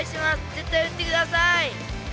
絶対打ってください。